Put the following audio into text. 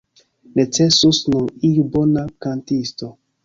Necesus nur iu bona kantisto.